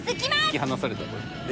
引き離されたと。